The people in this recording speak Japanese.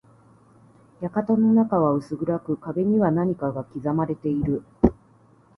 館の中は薄暗く、壁には何かが刻まれている。